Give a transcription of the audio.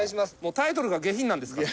タイトルが下品なんですから。